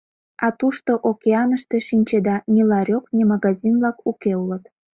А тушто, океаныште, шинчеда, ни ларёк, ни магазин-влак уке улыт.